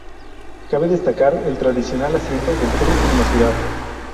Cabe destacar el tradicional asiento del turf en la ciudad.